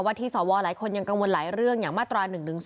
ที่สวหลายคนยังกังวลหลายเรื่องอย่างมาตรา๑๑๒